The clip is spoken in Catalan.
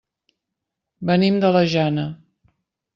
Venim de la Jana.